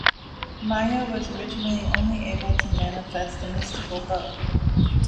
Maya was originally only able to manifest a mystical bow.